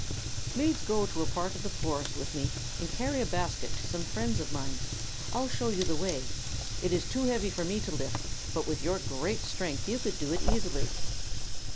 "Please go to a part of the forest with me and carry a basket to some friends of mine. I'll show you the way. It is too heavy for me to lift, but with your great strength you can do it easily."